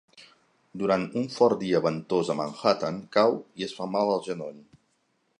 Durant un fort dia ventós a Manhattan, cau i es fa mal al genoll.